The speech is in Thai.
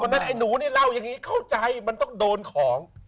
นั้นไอ้หนูนี่เล่าอย่างนี้เข้าใจมันต้องโดนของ